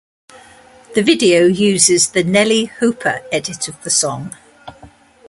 The video uses the Nellee Hooper edit of the song.